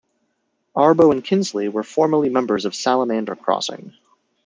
Arbo and Kinsey were formerly members of Salamander Crossing.